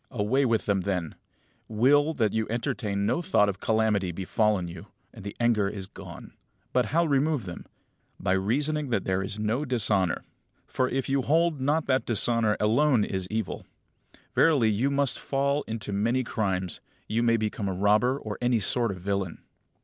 Away with them then; will that you entertain no thought of calamity befallen you, and the anger is gone. But how remove them? By reasoning that there is no dishonour; for, if you hold not that dishonour alone is evil, verily you must fall into many crimes, you may become a robber, or any sort of villain.